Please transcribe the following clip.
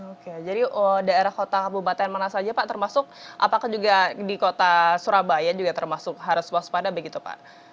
oke jadi daerah kota kabupaten mana saja pak termasuk apakah juga di kota surabaya juga termasuk harus waspada begitu pak